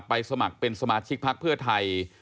สมัครเป็นสมาชิกพักเพื่อไทย